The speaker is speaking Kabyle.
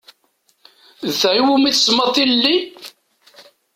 D ta i wumi tsemmaḍ tilelli?